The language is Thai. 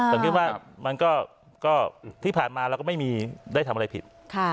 ผมคิดว่ามันก็ที่ผ่านมาเราก็ไม่มีได้ทำอะไรผิด